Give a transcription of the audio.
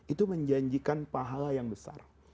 itu menjanjikan pahala yang besar